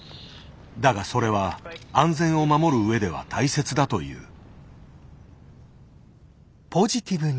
だがそれは安全を守る上では大切だという。